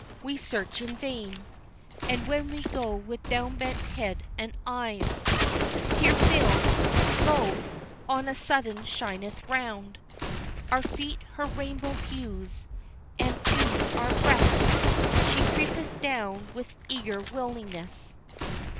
We search in vain, And when we go with down bent head and eyes Tear filled, lo! on a sudden shineth round Our feet her rainbow hues, and to our breast She creepeth down with eager willingness."